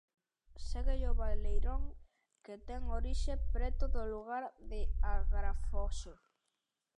Séguelle o Valeirón, que ten orixe preto do lugar de Agrafoxo.